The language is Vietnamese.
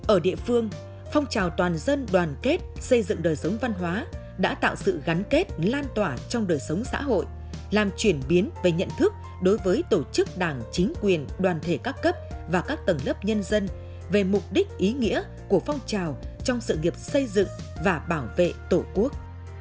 ở địa phương phong trào toàn dân đoàn kết xây dựng đời sống văn hóa đã tạo sự gắn kết lan tỏa trong đời sống xã hội làm chuyển biến về nhận thức đối với tổ chức đảng chính quyền đoàn thể các cấp và các tầng lớp nhân dân về mục đích ý nghĩa của phong trào trong sự nghiệp xây dựng và bảo vệ tổ quốc